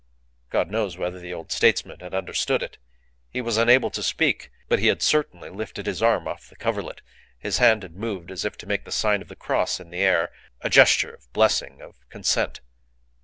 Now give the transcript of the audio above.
God knows whether the old statesman had understood it; he was unable to speak, but he had certainly lifted his arm off the coverlet; his hand had moved as if to make the sign of the cross in the air, a gesture of blessing, of consent.